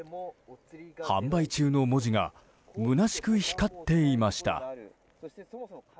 「販売中」の文字がむなしく光っていました。